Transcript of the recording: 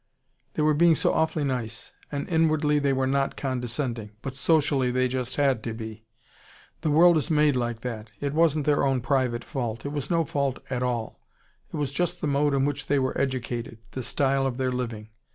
They were being so awfully nice. And inwardly they were not condescending. But socially, they just had to be. The world is made like that. It wasn't their own private fault. It was no fault at all. It was just the mode in which they were educated, the style of their living.